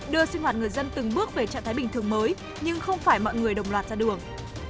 đưa sinh hoạt người dân từng bước về trạng thái bình thường mới nhưng không phải mọi người đồng loạt ra đường